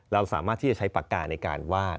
เราสามารถที่จะใช้ปากกาในการว่า